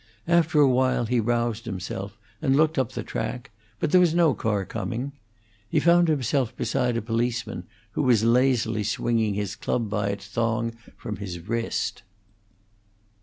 After a while he roused himself and looked up the track, but there was no car coming. He found himself beside a policeman, who was lazily swinging his club by its thong from his wrist.